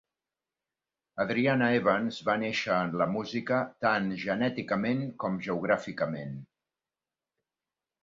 Adriana Evans va néixer en la música, tant genèticament com geogràficament.